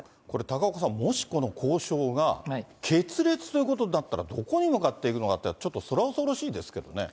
これ、高岡さん、もしこの交渉が決裂ということになったら、どこに向かっていくのかっていうのが、ちょっとそら恐ろしいです